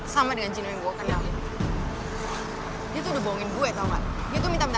sampai jumpa di video selanjutnya